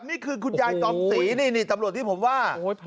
นี่คือคุณยายจอมศรีนี่ตำรวจที่ผมว่า